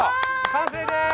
完成です！